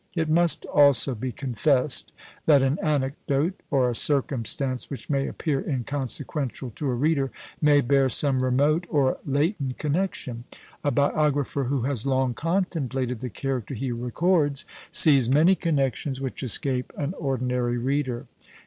It must also be confessed, that an anecdote, or a circumstance, which may appear inconsequential to a reader, may bear some remote or latent connexion: a biographer who has long contemplated the character he records, sees many connexions which escape an ordinary reader.